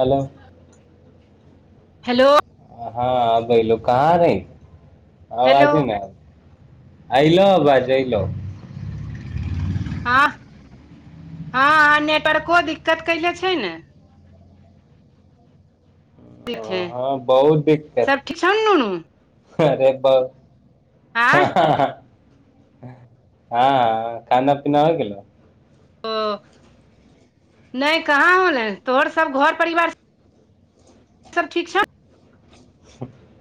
hello [inaudible] hello हँ अभ hello कहाँ रही हेलो आवाजे ने आ अइलो आवाज आइलो हँ [inaudible] हँ नेटवर्को दिक्कत कैने छै ने छै हँ बहुत दिक्कत सब ठीक छौ ने नुनू आँय [unintelligible] [inaudible] हँ खाना पीना हो गेलेल ओ [inaudible] नहि कहाँ होलै तोहर सब घर परिवार सब ठीक छौ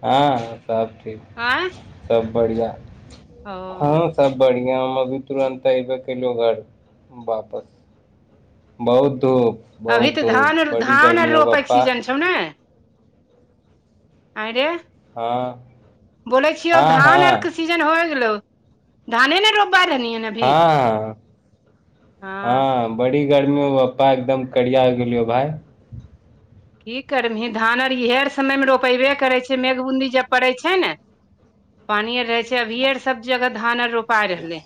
हँ सब ठीक [unintelligible] सब बढ़ियाँ [inaudible] ओ हँ सब बढ़ियाँ हम अभी तुरन्त ऐबे केलौ घर वापस बहुत धूप अभी बहुत त धूप धान बड़ी धान गर्मी हो रोपै के पप्पा सीजन छै नय [inaudible] आँय रे हँ [inaudible] बोलै छियो हँ धान अर हँ शिजन होय गेलौ धाने न रोपवा हँ [inaudible] हँ बड़ी गर्मी मे पप्पा एकदम करिया गेलियो भाय की करबही धान आर इएहेर समयमे रोपेबे करै छ मेघ बूंदी जब पड़ै छै ने पानि आर रहै छै अभी सभ जगह धान आर रोपाइ रहलै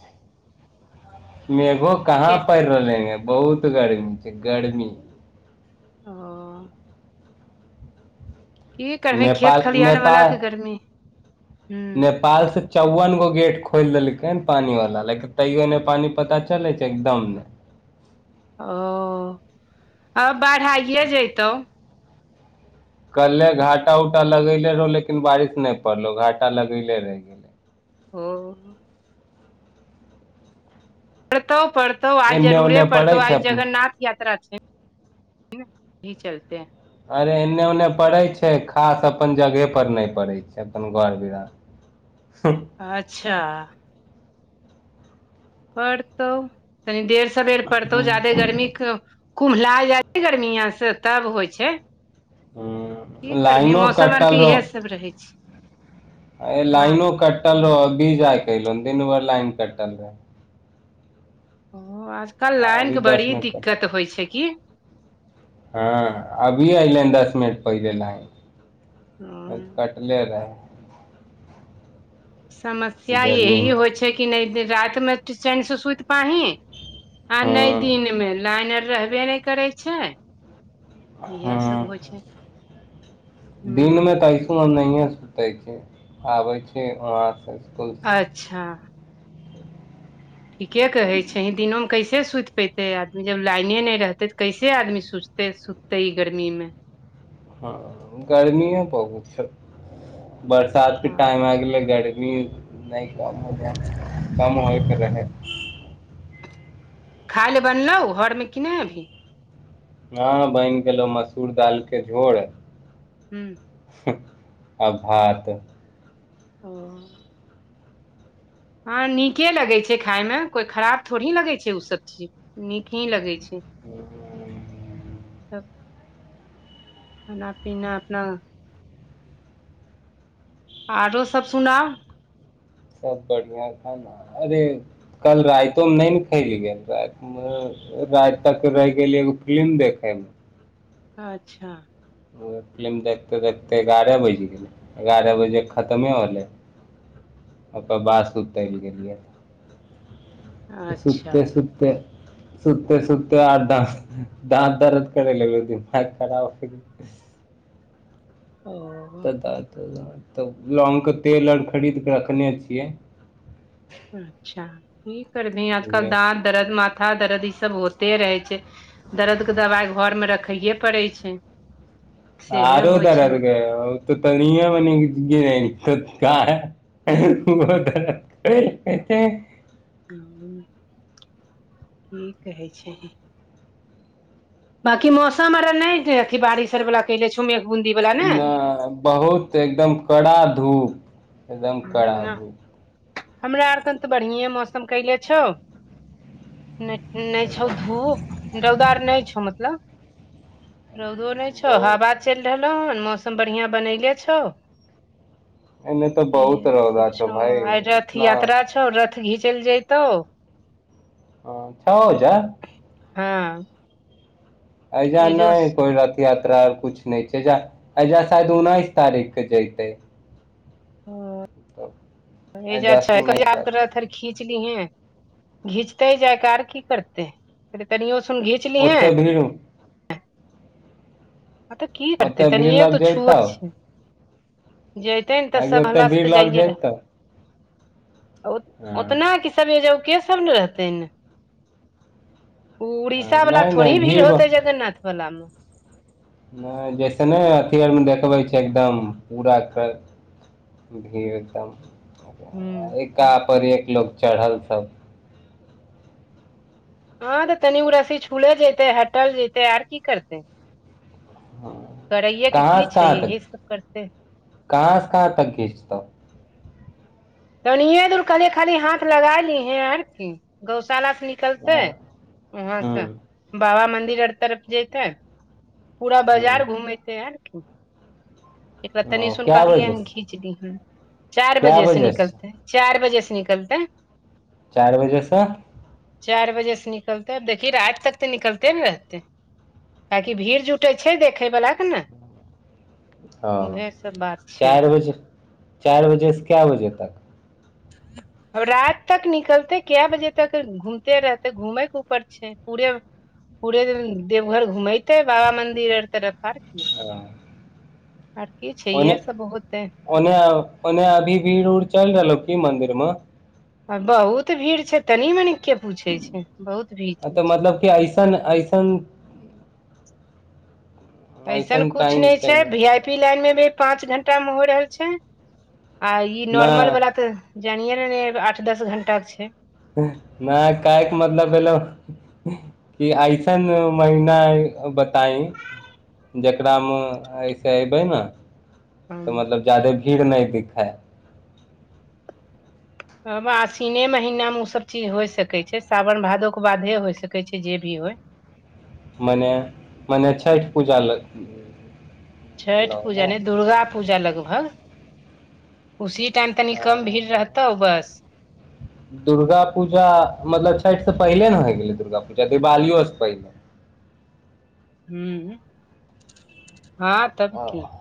मेघो कहाँ के पड़ि रहले हे बहुत गर्मी छै गर्मी ओ की करबीही खेत नेपाल खलिहान बला नेपाल के गर्मी हूं [unintelligible] नेपाल से चौवन गो गेट खोलि देलकै हन पानी वाला लेकिन तैयो ने पानी पता चले छै एकदम ने ओ आब बाद आइए जेतौ कल्हे घाटा उटा लगैले रहियौ लेकिन बारिश नहि पड़लो घाटा लगेले रहहि [unintelligible] पड़तौ पड़तौ आइ एन्ने जरूरे ओन्ने पड़ै पड़तौ छै आइ अपने जगन्नाथ यात्रा छै [unintelligible] चलते है अरे एने ओने पड़ै छै खास अपन जगह पर नहि पड़ै छै अपन बड़ बिरा [unintelligible] अच्छ पड़तौ तनी देड़ सबेर पड़तौ ज्यदे गर्मी कुम्ला जाइ छै गर्मिय से तब होइ छै की हूँ करबही लाइनो मौसम अर कटल के इएह सब रहै छै अ हँ लइनो कटल रहौ अभी जा क ऐलौ दिन भर लाइन कटल रहे ओ आजकल लाइन अभी के दस बड़ी मिनट पर दिक्कत होइ छै की हँ अभी ऐलै दस मिनट पहिले लाइन अ कटले रह [inaudible] समस्या यही होइ छै कि नहि रातिमे चैनसँ सुति पाही आ नहि दिन हँ मे लाइन आर रहबे नहि करै छै इएह सब हँ होइ छै [inaudible] हू अखनो मे नहिे सुते छै आबे छै वहां से स्कूल अच्छा ठीके कहै छही दिनोंमे कैसे सुइत पेते आदमी जब लाइने नय रहते तऽ कैसे आदमी सुते सुते ई गर्मी में हं गर्मीयों बहुत छै बरसात के हँ टाइम आयब गेलै गर्मी नहि काम काम हो नहि खाय लए बनलौँ घरमे कि नय अभही हँ बनि गेलौ मसूर दाल के झोर हूँ आ भात ओ हँ नीके लगै छै खाय में कोई खराब थोड़ी लगै छै उ सब चीज नीक ही लगै छै सब खाना पीना अपना आरो सभ सुनाउ सब बढ़िया खाना अरे कल राइतो में नय ने खैल गेल रा मे म राइत तक रहै गेलियै एगो फिलिम देखैमे अच्छा उ फिलिम देखिते देखिते एगारह बाइज गेलै एगारह बजे खतमे होलै अपा बाहर सुता ह निकल अच्छा सुते सुत पे सुतते सुतते आठ द द दर्द कर लायक क ओ त लौंग के तेल आर खरीद क रखने छियै अच्छा की करबही तऽ आजकल उहे डांर दर्द माथा दर्द ई सब होते रहै छै दर्द के दबाइ घर मे रखैे पड़ै छै सेहे होइ आरो छै दर्द गै तऽ त मने हूँ नहि कह कह कह ह कि कहै छीही बाकी मौसम आर नय अथी बारिश आर बला बूंदी ब [unintelligible] न बहुत एकदम कड़ा धूप एकदम कड़ा धूप हमरा आर स तऽ बढ़िए मौसम कइले छौ नय नय छौ धूप रौदा आर नय छौ मतलब रौदो नय छौ बहुत हवा चलि रहलौ हन मौसम बढ़ियांँ बनले छौ एने तऽ इह बहुत सब रौदा छौ भाय आइ रथ इतना यात्रा छौ रथ घिचल जतौ ओ छ छ हँ अहिजा एजो नय कोइ र यात्रा कुछ नय छै जा शायद उन्नैस तारीख के जते ह एहिजा से उन्नैस तारीख [unintelligible] खीच ली हैं घीचतै ही जायकार की करते है ते तनीयों सन घिची लीहैं गेल तऽ की [unintelligible] हेतै ओते भीड़ तनिए लग तो जैतौ छुबय छै जैतै ने तऽ आगे सब ओते हलास से भीड़ तऽ लग जाइये रहै जैतौ ओ हँ ओतना कि सभे [unintelligible] ज ओ के सभ ने रहतै ऐमे ओ उड़ीसा वाला नहि नहि थोड़ी भीड़ होतेै ब- जगन्नाथ वला मे नहि जैसे ने अथी आरमे देखबै छै एकदम पूरा घर भीर एकदम हूं एका पर एक लोक चढ़ल सब हँ तऽ तनि उ रस्सी छुले जैतै हटल जैतै आर की करतै हाँ, करैये के कहाँ की से छै कहाँ येहे तक सब करतै कहाँ से कहाँ तक घीचतौ तनिए दूर कहलियै खाली हाथ लगाय लिहें आर की गौशाला से निकलते हूँ उहाँ से बाबा मंन्दिर आर तरफ जैतै पूरा हूँ बाजार घुमेतेै आर की एकरा तनी ओ सुन कए कहलियै हन बजेसँ घीच दिहें चार कए बजे से बजेसँ निकलतै चार बजे से निकलतै चारि बजेसँ चारि बजे से निकलतेै अब देखी राति तक तऽ निकलतै ने रहतै काहेकि भीड़ जुटै छै देखै बला के ने हँ उहे सब बात छै चारि बजे से चारि बजे से कै बजे तक अब राति तक निकलते कै बजे तक घूमिते रहतै घूमेै के ऊपर छै पूरे पूरे देवघर घुमैतेै बाबा मन्दिर आर तरफ आर की आ [inaudible] आर की छै इएह सब होतै ओन्ने ओन्ने अभी भीड़ उड़ चलि रहलौ की मंदिर मे आ बहुत भीड़ छै तनी मनिक के पूछे छै बहुत भीड़ तऽ छै मतलब कि अइसन अइसन अइसन ऐसन कुछ टाइम नहि छै चाहिए भी आइ पी लाइन मे भी पाँच घंटा मे होइ रहल छै आ ई न नॉर्मल वाला तऽ जानिये ने ने आठ दस घंटा के छै नहि काहैक मतलब भेलौ कि अइसन महिना बताईं जकरामे ऐसे अऐबै ने तऽ मतलब ज्यादे भीड़ नहि दिखै अब आसीने महिना मे उ सब चीज होइ सकै छै सावन भादोे बादे होइ सकै छै जे भी होइ मने मने छठि पूजा लग छठि पूजा ने नै दुर्गा पूजा लगभग उसी टाइम तनि कम भीड़ रहत तौ बस दुर्गा पूजा मतलब छठि से पहिले ने होइ गेलै दुर्गा पूजा दिवालियो से पहिले हूंम्म हँ तब की पहिले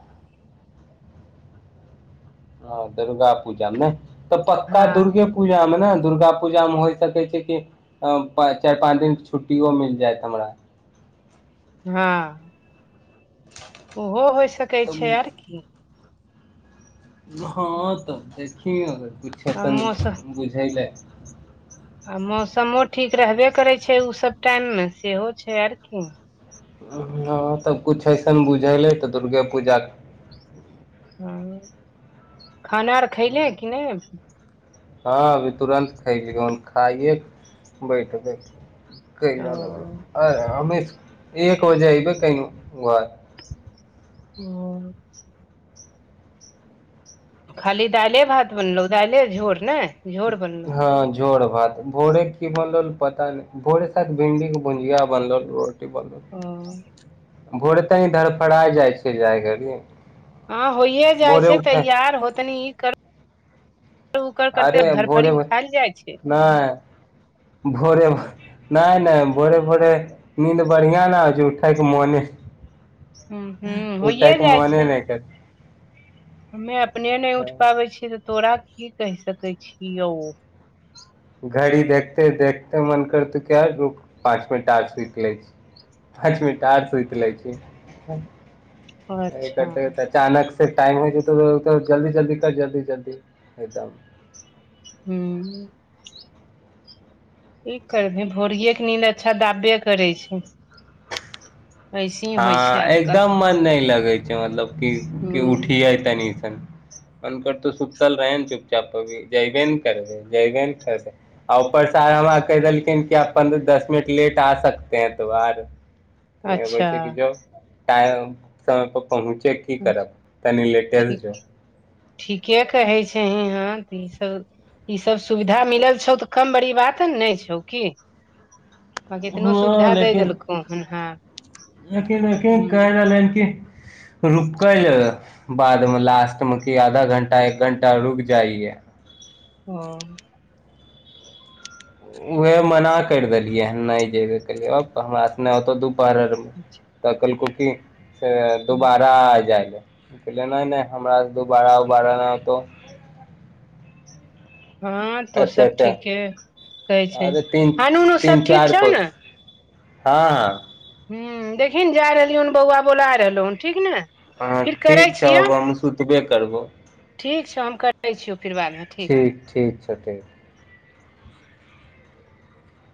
हँ दुर्गा पूजामे नहि तऽ पक्का हँ दुर्गे पू पूजा मे ने दुर्गा पूजा मे होइ सकै छै कि चारि पाँच दिनके छुट्टीयो मिल जाएत हमरा हँ ओहो होइ सकैत तऽ छै आर की हँ तऽ देखि किुछु आ एसन मौसम बुझैलै आ मौसमो ठीक रहबे करै छै उ सब टाइम मे सेहो छै आर की हँ तऽ कुछ अइसन बुझैलै तऽ दुर्गे पूजा हँ खाना आर खैले कि नय हँ अभी तुरन्त खेलियौन खाइए बैठबै कौ ओ अरे अ एक बजे आबै कैलियौ घर [unintelligible] ह [unintelligible] खाली दाइले भात बनलहुँ दाइले झोर नय हँ झोर भात भोरे की बनल पता नहि भोरे सायद भिन्डी के भुजिया बनलो रोटी बनलो ओ भोरे तनी धरफड़ा जाइ छिय जाय घड़ी हँ होए जाइ भोरे छै उठे तैयार होतनी ई कर उ कर अरे करते भोरे धरफड़ी मे खायल जाइ छै मेनहि भोरे मे नहि नहि भोरे भोरे नीद बढ़िआ न होइ छै उठायके मोने हूँ हूँ होइए उठैके जाइ मोने छै नहि कर हमे अपने नहि उठि हाँ, पाबै छियै तऽ तोरा की कहि सकैत छिय यौ घड़ी देखते देखते मन कर तौ कि पाँच मिनट आर सुईत लैछी पाँच नट आर सुंत लै छी अच्छा अचानक टाइम हो जेतौ त जल्दी जल्दी कर जल्दी जल्दी एकदम हूँ कि करबही भोरिये के नीन्द अच्छा दाबे करै छै ऐसे ही होइ छै हँ आजकल एकदम मन नय लगै छै मतलब कि हूँ उठिय तनिस मनकरतो सुखतल रहै ने चुपचापी जयबेन नै करबे जयबेन नै करबे आ ऊपरसँ आर हमरा कहि देलखिन कि आ पन्द्रह दस मिनट लेट आ सकते हैं तो आर एगो अच्छा होई छै कि जो टाइम समय पर पहुँचे की करब तनी लेटेस्ट जो ठीक ठीके कहै छै हहाँ तऽ ईसभ ई सब सुविधा मिलल छौ तऽ कम बड़ी बात नहि छौ की [inaudible] बाकि एतनो हँ सुविधा द देलकौ हन हँ यकीन रखियौ काहि रहलैन की रुकले बाद मे लास्ट मेक आधा घंटा एक घंटा रुक जाइ ये हँ उएह मना करि देलियै हन नहि जयबे केलियै आब हमराास नहि होतौ दुपर अरमे तऽकेलकोकी से दुोबारा जाएल कहले नहि नहि हमराास दो बारा बड़ा नहि होतौ हँं तो एते सब एते ठीके कहै छै अरे तीन हान उनू तीन सब ठीक चारि छौ ने कोस हँ हँ ह देखिन जा रहलियौ हन बौआ बोला रहल हन ठीक ने हँ फिर करै ठीक छौ आब छियौ हम सुतबे करबौ ठीक छौ हम करै छियौ फेर बाद मे ठीक ठीक छै ठीक